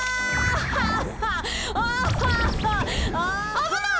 あぶない！